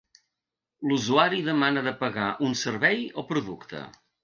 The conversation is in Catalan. L'usuari demana de pagar un servei o producte.